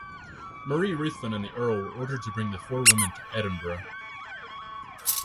Marie Ruthven and the Earl were ordered to bring the four women to Edinburgh.